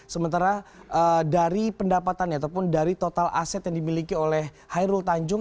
sementara dari pendapatannya ataupun dari total aset yang dimiliki oleh hairul tanjung